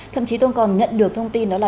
thậm chí tôi còn nhận được thông tin đó là